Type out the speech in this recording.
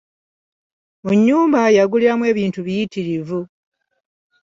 Mu nnyumba yaguliramu ebintu biyitirivu.